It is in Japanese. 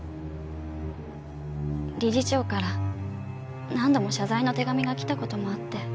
理事長から何度も謝罪の手紙が来た事もあって。